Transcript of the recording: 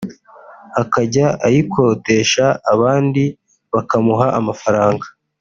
akajya ayikodesha abandi bakamuha amafaranga